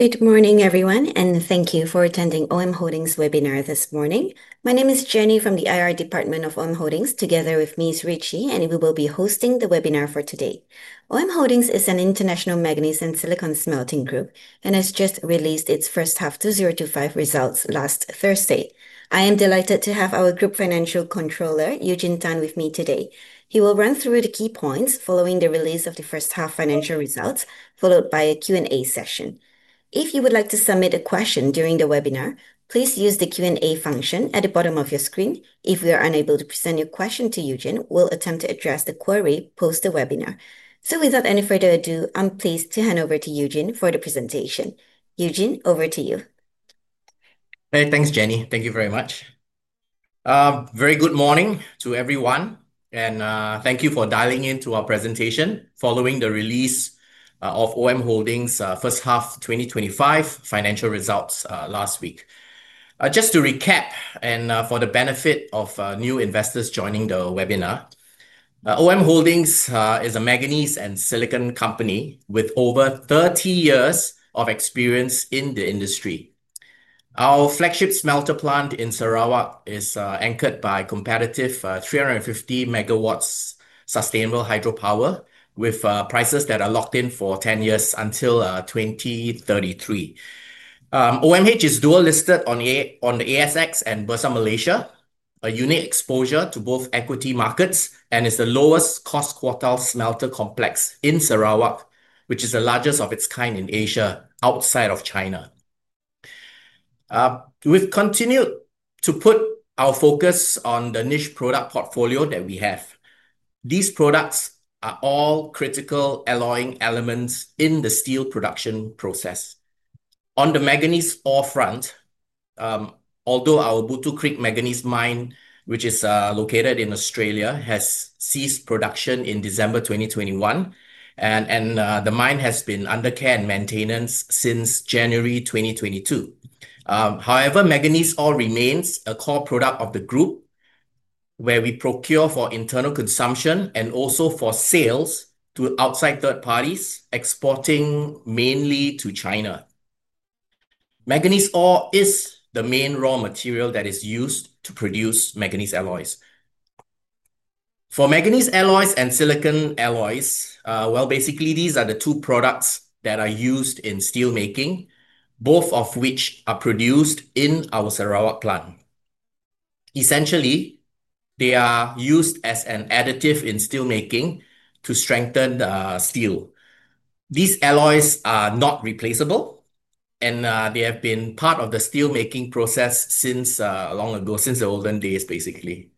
Good morning, everyone, and thank you for attending OM Holdings' webinar this morning. My name is Jenny Voon from the Investor Relations Department of OM Holdings, together with Ms. Ritchie, and we will be hosting the webinar for today. OM Holdings is an international manganese silicon smelting group and has just released its first half 2025 results last Thursday. I am delighted to have our Group Financial Controller, Eugene Tan, with me today. He will run through the key points following the release of the first half financial results, followed by a Q&A session. If you would like to submit a question during the webinar, please use the Q&A function at the bottom of your screen. If you are unable to present your question to Eugene, we'll attempt to address the query post the webinar. Without any further ado, I'm pleased to hand over to Eugene for the presentation. Eugene, over to you. Thanks, Jenny. Thank you very much. Very good morning to everyone, and thank you for dialing in to our presentation following the release of OM Holdings' first half 2025 financial results last week. Just to recap and for the benefit of new investors joining the webinar, OM Holdings is a magnesium and silicon company with over 30 years of experience in the industry. Our flagship smelter plant in Sarawak is anchored by competitive 350 megawatts sustainable hydropower with prices that are locked in for 10 years until 2033. OMH is dual listed on the ASX and Bursa Malaysia, a unique exposure to both equity markets, and is the lowest cost quartile smelter complex in Sarawak, which is the largest of its kind in Asia outside of China. We've continued to put our focus on the niche product portfolio that we have. These products are all critical alloying elements in the steel production process. On the manganese ore front, although our Bootu Creek manganese mine, which is located in Australia, has ceased production in December 2021, and the mine has been under care and maintenance since January 2022, manganese ore remains a core product of the group where we procure for internal consumption and also for sales to outside third parties, exporting mainly to China. Manganese ore is the main raw material that is used to produce manganese alloys. For manganese alloys and silicon alloys, these are the two products that are used in steelmaking, both of which are produced in our Sarawak plant. Essentially, they are used as an additive in steelmaking to strengthen the steel. These alloys are not replaceable, and they have been part of the steelmaking process since long ago, since the olden days, basically.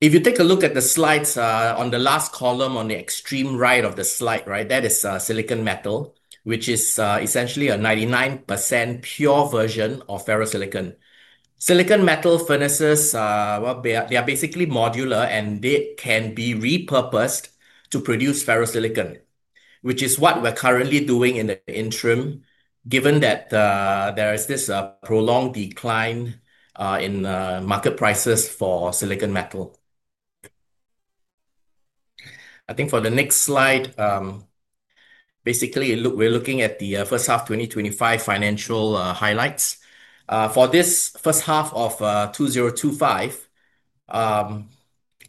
If you take a look at the slides on the last column on the extreme right of the slide, that is silicon metal, which is essentially a 99% pure version of ferrosilicon. Silicon metal furnaces are basically modular, and they can be repurposed to produce ferrosilicon, which is what we're currently doing in the interim, given that there is this prolonged decline in market prices for silicon metal. I think for the next slide, basically we're looking at the first half 2025 financial highlights. For this first half of 2025,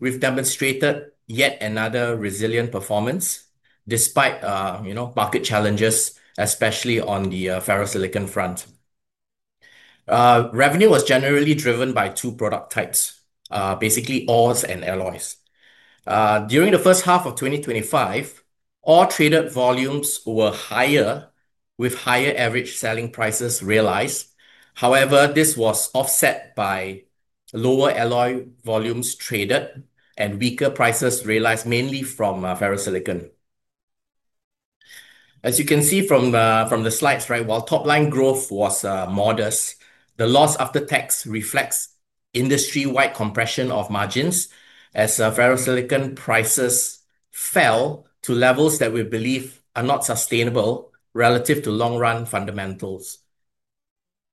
we've demonstrated yet another resilient performance despite market challenges, especially on the ferrosilicon front. Revenue was generally driven by two product types, basically ores and alloys. During the first half of 2025, ore traded volumes were higher, with higher average selling prices realized. However, this was offset by lower alloy volumes traded and weaker prices realized mainly from ferrosilicon. As you can see from the slides, while top line growth was modest, the loss after tax reflects industry-wide compression of margins as ferrosilicon prices fell to levels that we believe are not sustainable relative to long-run fundamentals.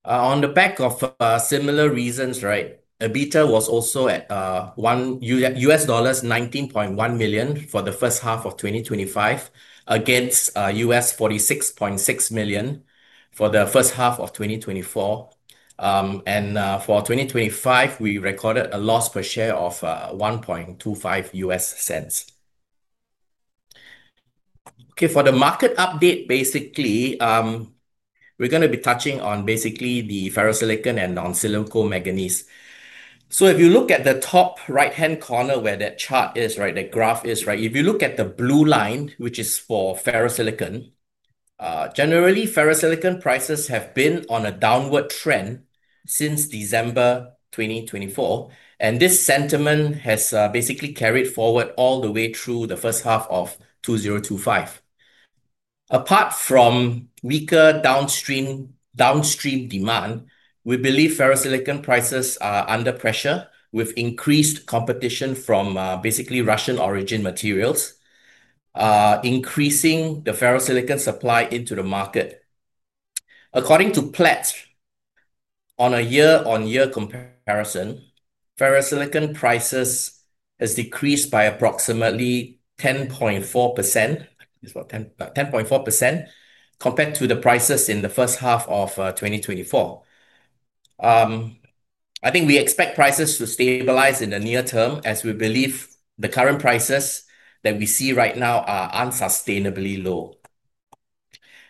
On the back of similar reasons, EBITDA was also at $19.1 million for the first half of 2025 against $46.6 million for the first half of 2024. For 2025, we recorded a loss per share of $0.0125. For the market update, we're going to be touching on the ferrosilicon and non-silico manganese. If you look at the top right-hand corner where that chart is, that graph is, if you look at the blue line, which is for ferrosilicon, generally, ferrosilicon prices have been on a downward trend since December 2024, and this sentiment has carried forward all the way through the first half of 2025. Apart from weaker downstream demand, we believe ferrosilicon prices are under pressure with increased competition from Russian-origin materials, increasing the ferrosilicon supply into the market. According to PLETS, on a year-on-year comparison, ferrosilicon prices have decreased by approximately 10.4% compared to the prices in the first half of 2024. We expect prices to stabilize in the near term as we believe the current prices that we see right now are unsustainably low.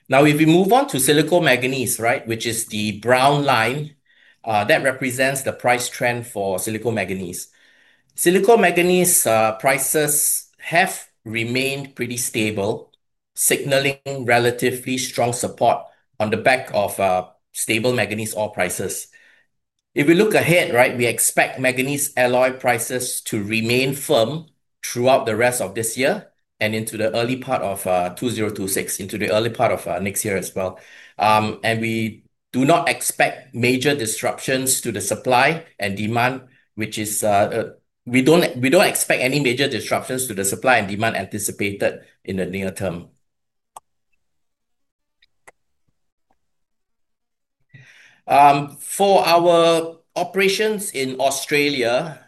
If we move on to silicon manganese, which is the brown line, that represents the price trend for silicon manganese. Silicon manganese prices have remained pretty stable, signaling relatively strong support on the back of stable manganese ore prices. If we look ahead, we expect manganese alloy prices to remain firm throughout the rest of this year and into the early part of 2026, into the early part of next year as well. We do not expect major disruptions to the supply and demand, which is, we don't expect any major disruptions to the supply and demand anticipated in the near term. For our operations in Australia,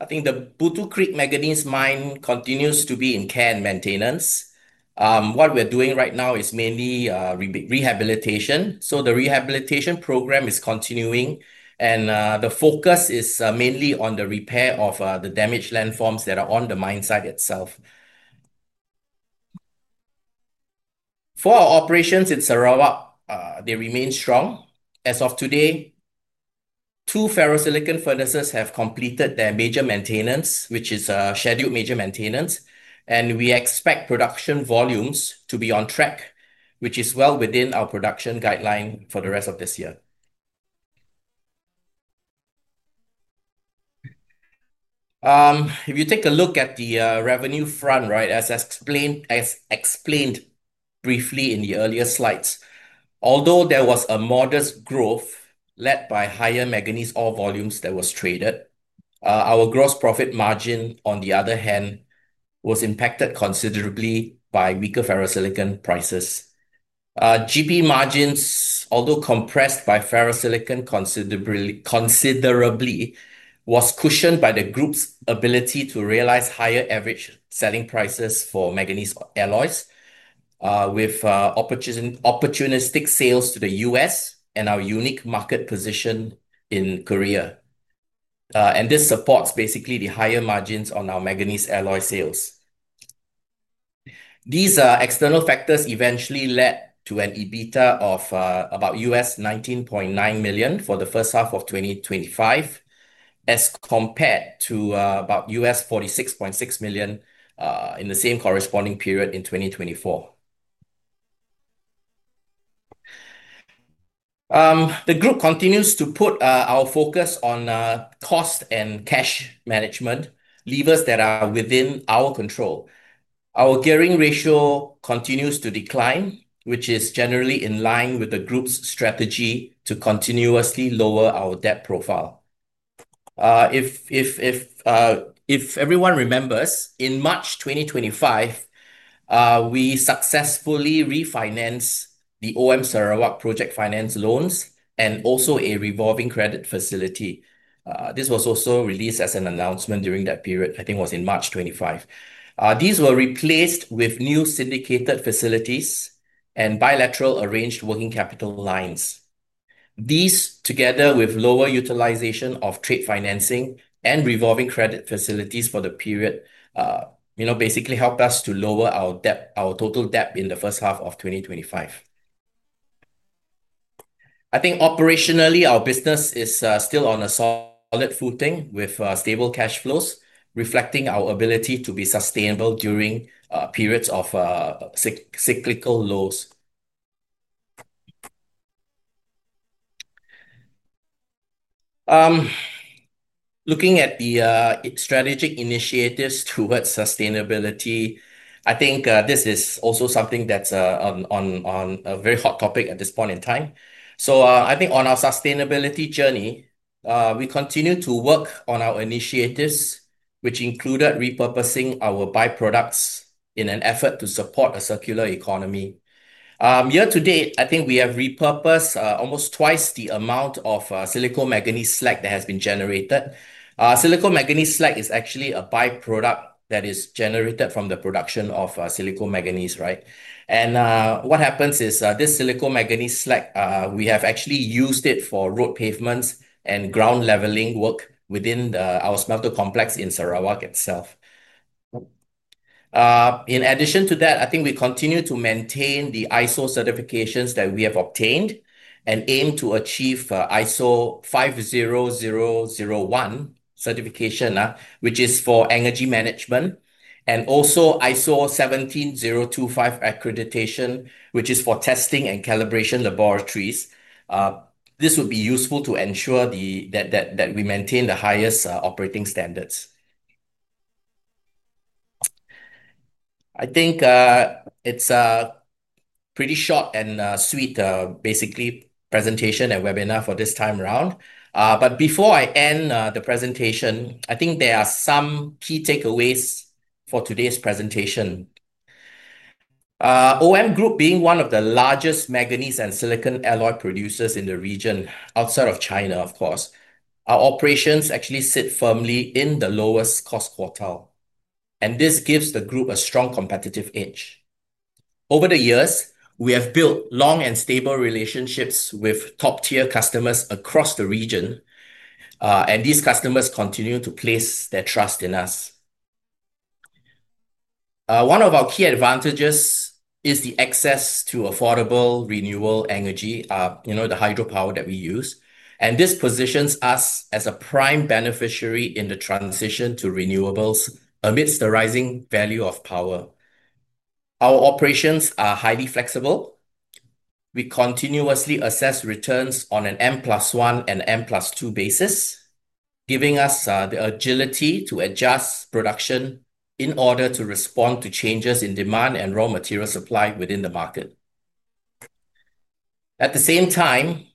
the Bootu Creek manganese mine continues to be in care and maintenance. What we're doing right now is mainly rehabilitation. The rehabilitation program is continuing, and the focus is mainly on the repair of the damaged landforms that are on the mine site itself. For our operations in Sarawak, they remain strong. As of today, two ferrosilicon furnaces have completed their major maintenance, which is a scheduled major maintenance, and we expect production volumes to be on track, which is well within our production guideline for the rest of this year. If you take a look at the revenue front, as explained briefly in the earlier slides, although there was a modest growth led by higher manganese ore volumes that were traded, our gross profit margin, on the other hand, was impacted considerably by weaker ferrosilicon prices. Gross profit margins, although compressed by ferrosilicon considerably, were cushioned by the group's ability to realize higher average selling prices for manganese alloys, with opportunistic sales to the U.S. and our unique market position in Korea. This supports basically the higher margins on our manganese alloy sales. These external factors eventually led to an EBITDA of about $19.9 million for the first half of 2025, as compared to about $46.6 million in the same corresponding period in 2024. The group continues to put our focus on cost and cash management, levers that are within our control. Our gearing ratio continues to decline, which is generally in line with the group's strategy to continuously lower our debt profile. If everyone remembers, in March 2025, we successfully refinanced the OM Sarawak project finance loans and also a revolving credit facility. This was also released as an announcement during that period. I think it was in March 2025. These were replaced with new syndicated facilities and bilateral arranged working capital lines. These, together with lower utilization of trade financing and revolving credit facilities for the period, basically helped us to lower our total debt in the first half of 2025. I think operationally, our business is still on a solid footing with stable cash flows, reflecting our ability to be sustainable during periods of cyclical lows. Looking at the strategic initiatives towards sustainability, I think this is also something that's a very hot topic at this point in time. On our sustainability journey, we continue to work on our initiatives, which included repurposing our by-products in an effort to support a circular economy. Yeah, today, I think we have repurposed almost twice the amount of silicon manganese slag that has been generated. Silicon manganese slag is actually a by-product that is generated from the production of silicon manganese, right? What happens is this silicon manganese slag, we have actually used it for road pavements and ground leveling work within our smelter complex in Sarawak itself. In addition to that, I think we continue to maintain the ISO certifications that we have obtained and aim to achieve ISO 50001 certification, which is for energy management, and also ISO 17025 accreditation, which is for testing and calibration laboratories. This would be useful to ensure that we maintain the highest operating standards. I think it's a pretty short and sweet, basically, presentation and webinar for this time around. Before I end the presentation, I think there are some key takeaways for today's presentation. OM Holdings, being one of the largest manganese and silicon alloy producers in the region, outside of China, of course, our operations actually sit firmly in the lowest cost quartile. This gives the group a strong competitive edge. Over the years, we have built long and stable relationships with top-tier customers across the region, and these customers continue to place their trust in us. One of our key advantages is the access to affordable renewable energy, you know, the hydropower that we use. This positions us as a prime beneficiary in the transition to renewables amidst the rising value of power. Our operations are highly flexible. We continuously assess returns on an M plus one and M plus two basis, giving us the agility to adjust production in order to respond to changes in demand and raw material supply within the market. At the same time,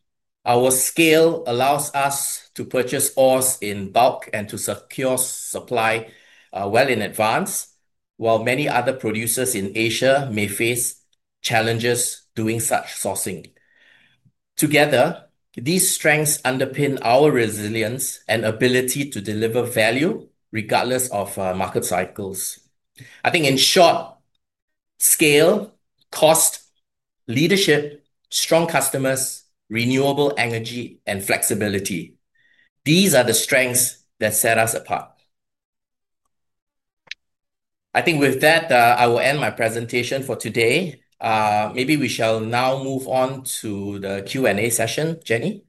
our scale allows us to purchase ores in bulk and to secure supply well in advance, while many other producers in Asia may face challenges doing such sourcing. Together, these strengths underpin our resilience and ability to deliver value regardless of market cycles. I think in short, scale, cost, leadership, strong customers, renewable energy, and flexibility. These are the strengths that set us apart. I think with that, I will end my presentation for today. Maybe we shall now move on to the Q&A session, Jenny.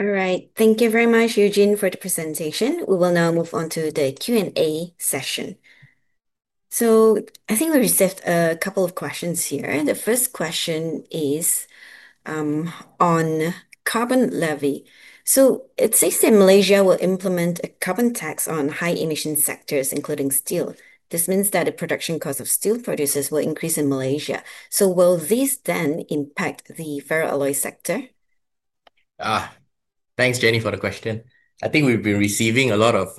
All right. Thank you very much, Eugene, for the presentation. We will now move on to the Q&A session. I think we received a couple of questions here. The first question is on carbon levy. It says that Malaysia will implement a carbon tax on high-emission sectors, including steel. This means that the production cost of steel producers will increase in Malaysia. Will this then impact the ferroalloy sector? Thanks, Jenny, for the question. I think we've been receiving a lot of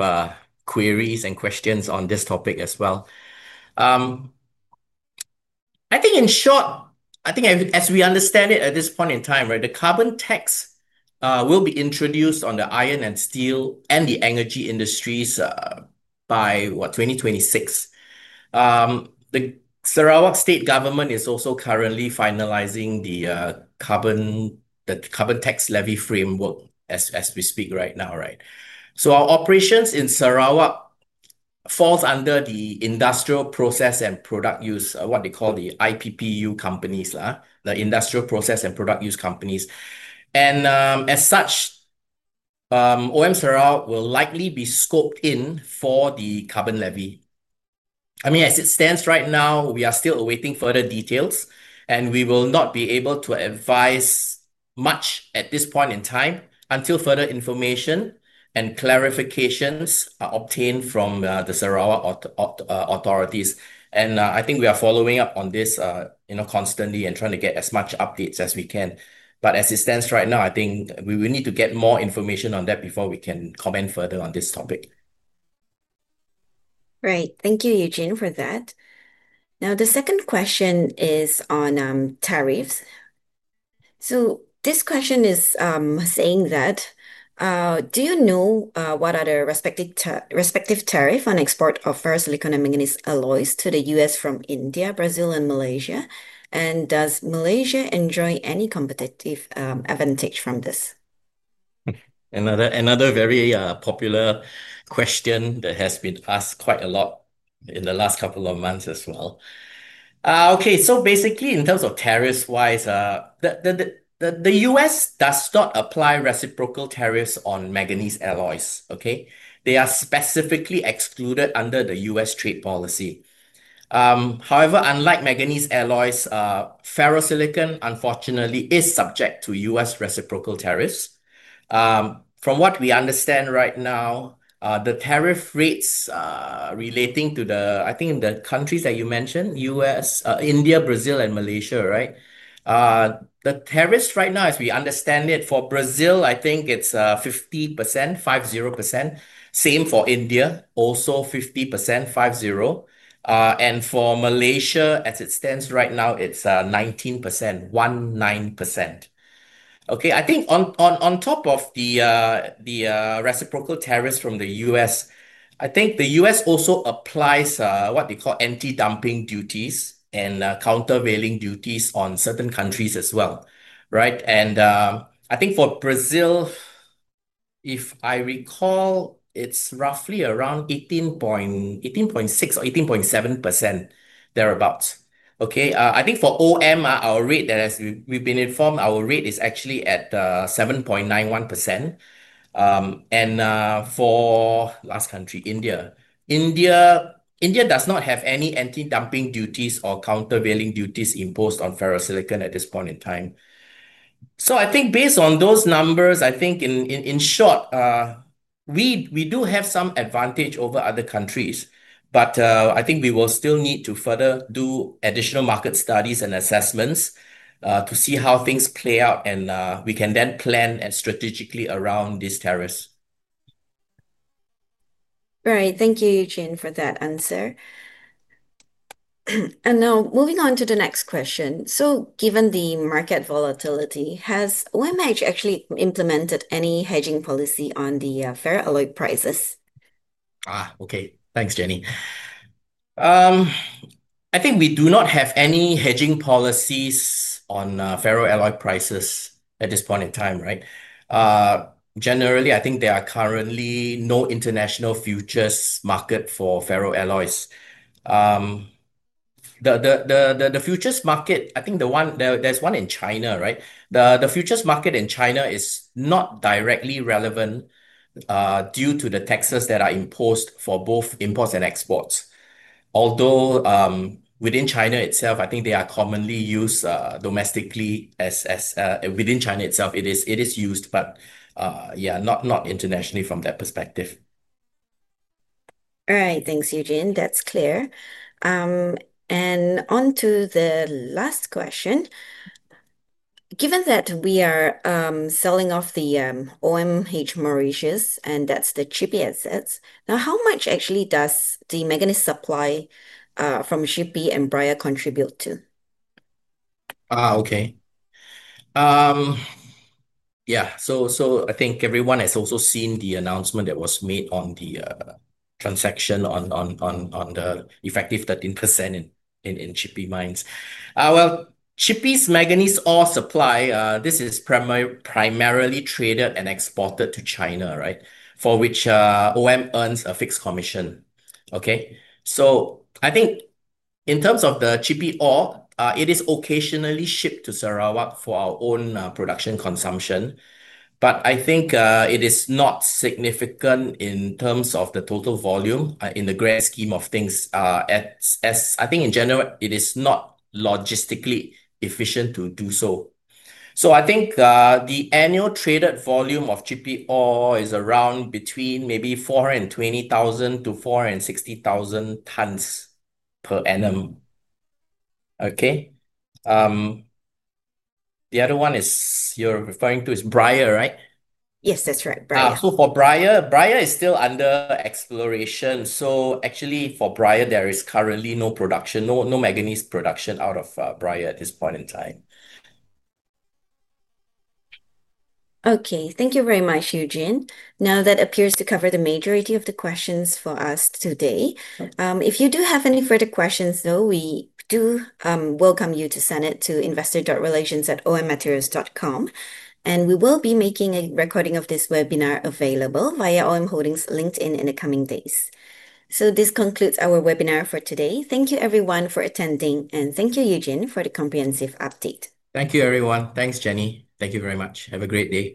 queries and questions on this topic as well. In short, as we understand it at this point in time, the carbon tax will be introduced on the iron and steel and the energy industries by 2026. The Sarawak State Government is also currently finalizing the carbon tax levy framework as we speak right now. Our operations in Sarawak fall under the industrial process and product use, what they call the IPPU companies, the industrial process and product use companies. As such, OM Sarawak will likely be scoped in for the carbon levy. As it stands right now, we are still awaiting further details, and we will not be able to advise much at this point in time until further information and clarifications are obtained from the Sarawak authorities. I think we are following up on this constantly and trying to get as much updates as we can. As it stands right now, we need to get more information on that before we can comment further on this topic. Right. Thank you, Eugene, for that. Now, the second question is on tariffs. This question is saying that, do you know what are the respective tariffs on export of ferrosilicon and manganese alloys to the U.S. from India, Brazil, and Malaysia? Does Malaysia enjoy any competitive advantage from this? Another very popular question that has been asked quite a lot in the last couple of months as well. Okay, so basically, in terms of tariffs-wise, the U.S. does not apply reciprocal tariffs on manganese alloys, okay? They are specifically excluded under the U.S. trade policy. However, unlike manganese alloys, ferrosilicon, unfortunately, is subject to U.S. reciprocal tariffs. From what we understand right now, the tariff rates relating to the, I think, in the countries that you mentioned, U.S., India, Brazil, and Malaysia, right? The tariffs right now, as we understand it, for Brazil, I think it's 50%, 5.0%. Same for India, also 50%, 5.0%. For Malaysia, as it stands right now, it's 19%, 1.9%. I think on top of the reciprocal tariffs from the U.S., the U.S. also applies what they call anti-dumping duties and countervailing duties on certain countries as well, right? I think for Brazil, if I recall, it's roughly around 18.6% or 18.7%, thereabouts, okay? For OM Holdings, our rate, as we've been informed, our rate is actually at 7.91%. For the last country, India, India does not have any anti-dumping duties or countervailing duties imposed on ferrosilicon at this point in time. I think based on those numbers, in short, we do have some advantage over other countries, but I think we will still need to further do additional market studies and assessments to see how things play out, and we can then plan strategically around these tariffs. Right. Thank you, Eugene, for that answer. Now, moving on to the next question. Given the market volatility, has OMH actually implemented any hedging policy on the ferroalloy prices? Okay. Thanks, Jenny. I think we do not have any hedging policies on ferroalloy prices at this point in time, right? Generally, I think there are currently no international futures markets for ferroalloys. The futures market, I think the one, there's one in China, right? The futures market in China is not directly relevant due to the taxes that are imposed for both imports and exports. Although within China itself, I think they are commonly used domestically. Within China itself, it is used, but yeah, not internationally from that perspective. All right. Thanks, Eugene. That's clear. Onto the last question. Given that we are selling off the OMH Mauritius, and that's the shipping assets, how much actually does the manganese supply from Shippee and Braia contribute to? Okay. Yeah, so I think everyone has also seen the announcement that was made on the transaction on the effective 13% in Shippee mine. Shippee's manganese ore supply is primarily traded and exported to China, right, for which OM earns a fixed commission. I think in terms of the Shippee ore, it is occasionally shipped to Sarawak for our own production consumption, but I think it is not significant in terms of the total volume in the grand scheme of things, as I think in general, it is not logistically efficient to do so. I think the annual traded volume of Shippee ore is around between maybe 420,000 to 460,000 tons per annum. The other one you're referring to is Braia, right? Yes, that's right, Braia. Braia is still under exploration. Actually, for Braia, there is currently no production, no manganese production out of Braia at this point in time. Okay. Thank you very much, Eugene. That appears to cover the majority of the questions for us today. If you do have any further questions, we do welcome you to send it to investor.relations@ommaterials.com. We will be making a recording of this webinar available via OM Holdings' LinkedIn in the coming days. This concludes our webinar for today. Thank you, everyone, for attending, and thank you, Eugene, for the comprehensive update. Thank you, everyone. Thanks, Jenny. Thank you very much. Have a great day.